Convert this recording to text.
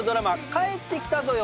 『帰ってきたぞよ！